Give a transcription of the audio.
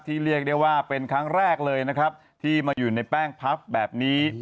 เรียกได้ว่าเป็นครั้งแรกเลยนะครับที่มาอยู่ในแป้งพับแบบนี้